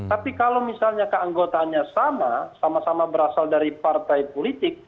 tapi kalau misalnya keanggotaannya sama sama berasal dari partai politik